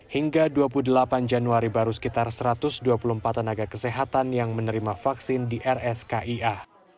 hingga dua puluh delapan januari baru sekitar satu ratus dua puluh empat tenaga kesehatan yang menerima vaksin di rskia